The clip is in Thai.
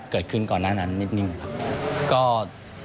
เกิดขึ้นก่อนหน้านั้นนิดนึงครับ